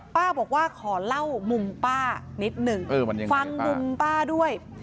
ป้าบอกว่าขอเล่ามุมป้านิดหนึ่งฟังมุมป้าด้วย